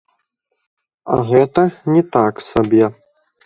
А гэта не так сабе.